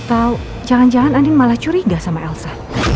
atau jangan jangan andin malah curiga sama elsa